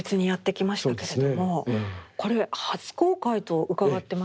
これ初公開と伺ってますが。